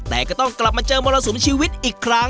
แต่ก็ต้องกลับมาเจอมรสุมชีวิตอีกครั้ง